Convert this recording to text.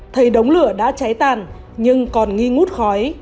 thấy đống lửa đã cháy tàn nhưng còn nghi ngút khói